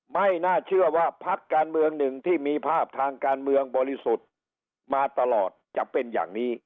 ไม่น่าเชื่อว่าพักการเมืองหนึ่งที่มีภาพทางการเมืองบริสุทธิ์มาตลอดจะเป็นอย่างนี้